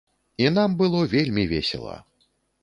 І нам было вельмі весела.